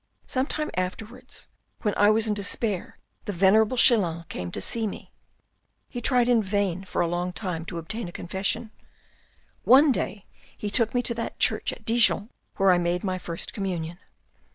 Some time afterwards when I was in despair the venerable Chelan came to see me. He tried in vain for a long time to obtain a confession. One day he took me to that church at Dijon where I made my first communion.